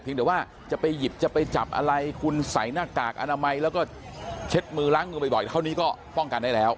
เดี๋ยวว่าจะไปหยิบจะไปจับอะไรคุณใส่หน้ากากอนามัยแล้วก็เช็ดมือล้างมือบ่อยเท่านี้ก็ป้องกันได้แล้ว